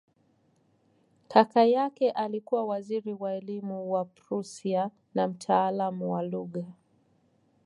Kaka yake alikuwa waziri wa elimu wa Prussia na mtaalamu wa lugha.